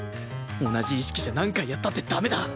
同じ意識じゃ何回やったって駄目だ